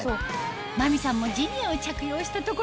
真美さんもジニエを着用したところ